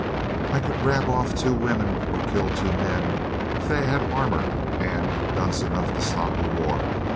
I could grab off two women, or kill two men, if they had armor and guns enough to stock a war.